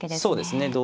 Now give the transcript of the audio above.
そうですね。